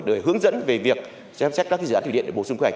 để hướng dẫn về việc xem xét các dự án thủy điện để bổ sung quy hoạch